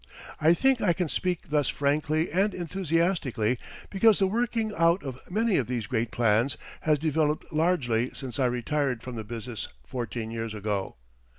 I think I can speak thus frankly and enthusiastically because the working out of many of these great plans has developed largely since I retired from the business fourteen years ago.